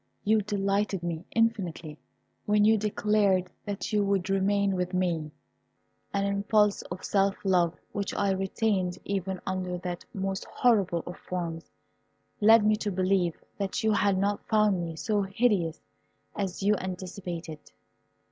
You delighted me infinitely when you declared that you would remain with me. An impulse of self love, which I retained even under that most horrible of forms, led me to believe that you had not found me so hideous as you anticipated.